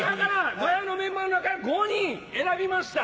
『ガヤ』のメンバーから５人選びました。